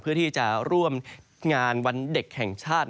เพื่อที่จะร่วมงานวันเด็กแห่งชาติ